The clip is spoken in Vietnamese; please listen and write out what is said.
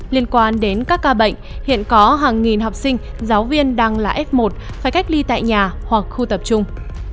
liên quan đến các ca bệnh hiện có hàng nghìn học sinh giáo viên đang là f một phải cách ly tại nhà hoặc khu tập trung